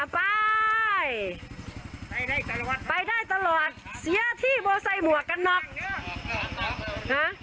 ไปได้ตลอดไปได้ตลอดเสียที่บ่ใส่หมวกกันหรอกฮะ